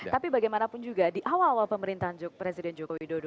tapi bagaimanapun juga di awal awal pemerintahan presiden joko widodo